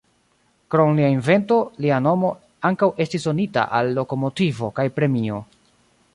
Krom lia invento, lia nomo ankaŭ estis donita al lokomotivo kaj premio.